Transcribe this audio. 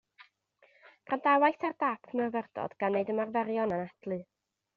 Gwrandawais ar dâp myfyrdod gan neud ymarferion anadlu